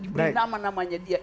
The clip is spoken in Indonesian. diberi nama namanya dia